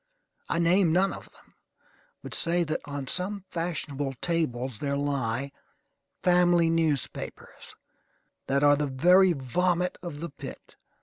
I name none of them; but say that on some fashionable tables there lie "family newspapers" that are the very vomit of the pit.